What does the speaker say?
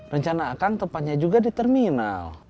rencana akang tempatnya juga di terminal